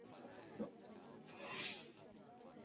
Su copiloto es Enrique Velasco.